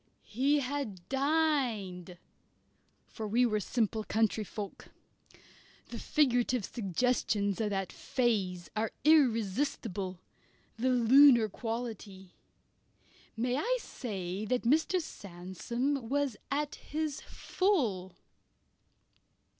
He had dined for we were simple country folk. The figurative suggestions of that "phase" are irresistible the lunar quality. May I say that Mr. Sandsome was at his full?